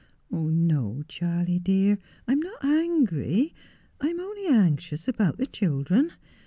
' No, Charley dear, I am not angry, I am only anxious about the children.